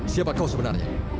siapa kau sebenarnya